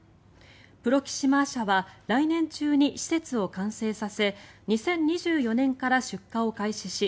プロキシマー社は来年中に施設を完成させ２０２４年から出荷を開始し